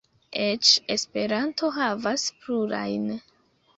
Eĉ Esperanto havas plurajn.